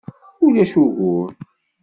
Ulac ugur.